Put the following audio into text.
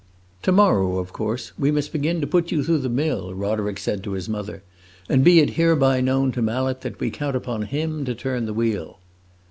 "To morrow, of course, we must begin to put you through the mill," Roderick said to his mother. "And be it hereby known to Mallet that we count upon him to turn the wheel."